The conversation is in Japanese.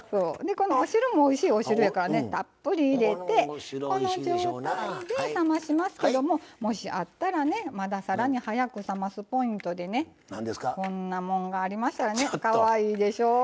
このお汁もおいしいお汁やからねたっぷり入れてこの状態で冷ましますけどももしあったらねまださらに早く冷ますポイントでねこんなもんがありましたらかわいいでしょう？